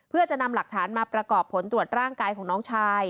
เพื่อจะนำหลักฐานมาประกอบผลตรวจร่างกายของน้องชาย